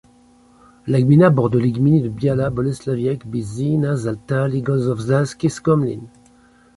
La gmina borde les gminy de Biała, Bolesławiec, Byczyna, Czastary, Gorzów Śląski et Skomlin.